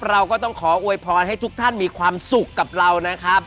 เราก็ต้องขออวยพรให้ทุกท่านมีความสุขกับเรานะครับ